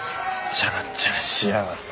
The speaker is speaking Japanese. ちゃらちゃらしやがって。